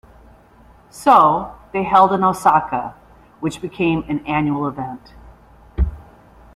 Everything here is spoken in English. So, they held in Osaka, which became an annual event.